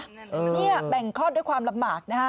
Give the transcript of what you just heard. นี่แบ่งคลอดด้วยความลำบากนะฮะ